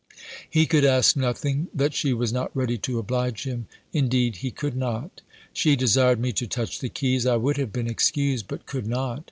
He could ask nothing, that she was not ready to oblige him; indeed he could not. She desired me to touch the keys. I would have been excused; but could not.